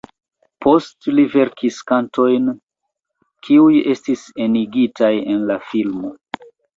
Post li verkis kantojn, kiuj estis enigitaj en la filmo.